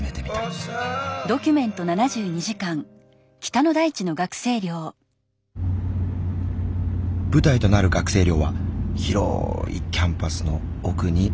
舞台となる学生寮は広いキャンパスの奥にあるという。